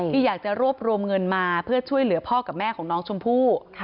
ที่อยากจะรวบรวมเงินมาเพื่อช่วยเหลือพ่อกับแม่ของน้องชมพู่